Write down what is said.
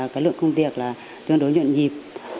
cái lượng công việc tương đối nhuận nhịp